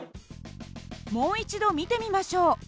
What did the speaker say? もう一度見てみましょう。